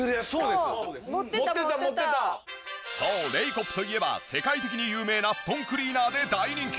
そうレイコップといえば世界的に有名な布団クリーナーで大人気。